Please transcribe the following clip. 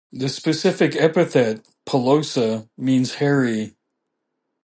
The specific epithet ("pilosa") means "hairy".